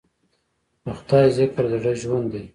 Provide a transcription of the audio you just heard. د خدای ذکر د زړه ژوند دی.